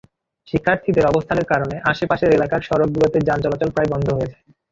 শিক্ষার্থীদের অবস্থানের কারণে আশপাশের এলাকার সড়কগুলোতে যান চলাচল প্রায় বন্ধ হয়ে যায়।